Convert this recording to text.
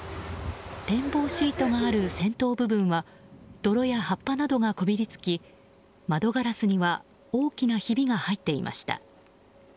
展望シートがある先頭部分は泥や葉っぱなどがこびりつき窓ガラスには大きなひびが入っていました。